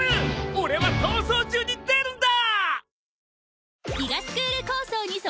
俺は逃走中に出るんだ！